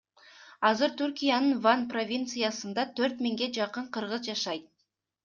Азыр Түркиянын Ван провинциясында төрт миңге жакын кыргыз жашайт.